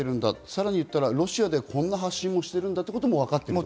さらにロシアでこんな発信もしているんだということも分かってる。